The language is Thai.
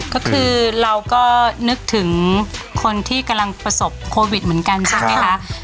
ก็คือเราก็นึกถึงคนที่กำลังประสบโควิดเหมือนกันใช่ไหมคะ